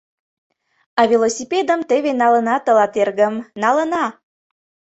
А велосипедым теве налына тылат, эргым, налына...